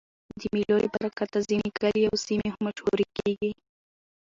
د مېلو له برکته ځيني کلي یا سیمې مشهوره کېږي.